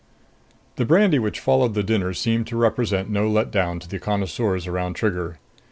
The brandy which followed the dinner seemed to represent no let down to the connoisseurs around Trigger.